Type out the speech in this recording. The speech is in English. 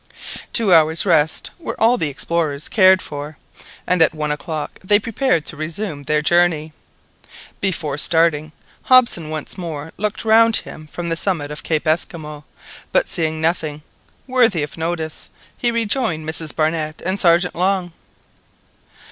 Two hours' rest were all the explorers cared for, and at one o'clock they prepared to resume their journey. Before starting Hobson once more looked round him from the summit of Cape Esquimaux; but seeing nothing worthy of notice, he rejoined Mrs Barnett and Sergeant Long.